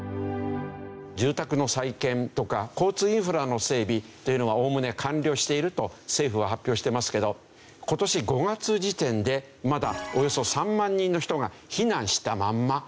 住宅の再建とか交通インフラの整備というのはおおむね完了していると政府は発表してますけど今年５月時点でまだおよそ３万人の人が避難したまんまという事ですね。